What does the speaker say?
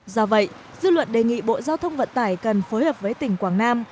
do vậy dư luận đề nghị bộ giao thông vận tải cần phối hợp với tỉnh quảng nam